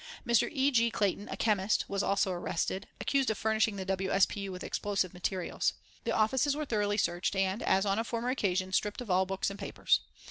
Mr. E. G. Clayton, a chemist, was also arrested, accused of furnishing the W. S. P. U. with explosive materials. The offices were thoroughly searched, and, as on a former occasion, stripped of all books and papers.